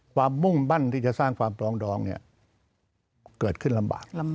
ความมุ่งบั้นที่จะสร้างความปลองดองเกิดขึ้นลำบาก